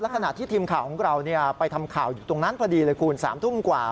ขณะที่ทีมข่าวของเราไปทำข่าวอยู่ตรงนั้นพอดีเลยคุณ๓ทุ่มกว่า